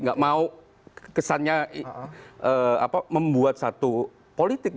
nggak mau kesannya membuat satu politik